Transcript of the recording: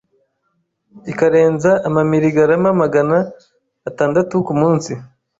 ikarenza amamiligarama Magana atandatu ku munsi,